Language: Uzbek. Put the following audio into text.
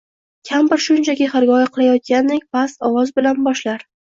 Kampir shunchaki xirgoyi qilayotgandek past ovoz bilan boshlar